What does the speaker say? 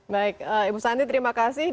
baik ibu sandi terima kasih